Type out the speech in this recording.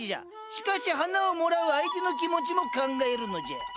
しかし花をもらう相手の気持ちも考えるのじゃ！